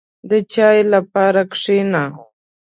• د چای لپاره کښېنه.